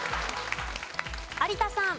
有田さん。